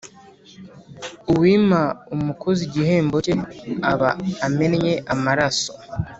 uwima umukozi igihembo cye, aba amennye amaraso.